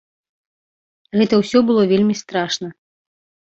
Гэта ўсё было вельмі страшна.